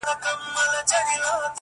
هر څوک ځان په بل حالت کي احساسوي ګډ،